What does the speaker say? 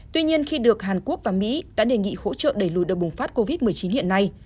tuy nhiên khi được hàn quốc và mỹ đã đề nghị hỗ trợ đẩy lùi đợt bùng phát covid một mươi chín hiện nay